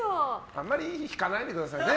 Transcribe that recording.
あまり引かないでくださいね